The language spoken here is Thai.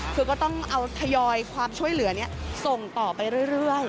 คือก็ต้องเอาทยอยความช่วยเหลือส่งต่อไปเรื่อย